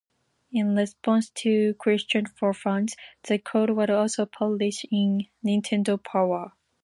In response to questions from fans, the code was also published in "Nintendo Power".